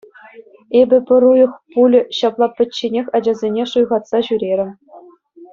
Эпӗ пӗр уйӑх пулӗ ҫапла пӗчченех ачасене шуйхатса ҫӳрерӗм.